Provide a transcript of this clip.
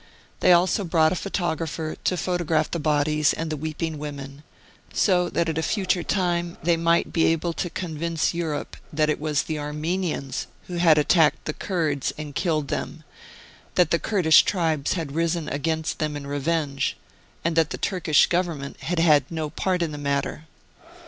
O They also brought a 'photographer to photograph the bodies and the weeping women, so that at a future time they might be able to convince Europe that it was 46 Martyred Armenia the Armenians who had attacked the Kurds and killed them, that the Kurdish tribes had risen against them in revenge, and that the Turkish Government had had no part in the matter.